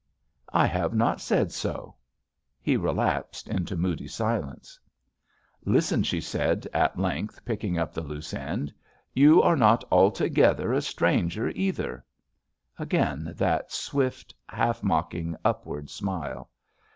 "I have not said so." He relapsed into moody silence. "Listen," she said, at length, picking up the loose end. "You are not altogether a / /I J^ JUST SWEETHEARTS Stranger either." Again that swift, half mock ing, upward smile.